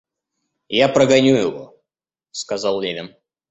Я прогоню его, — сказал Левин.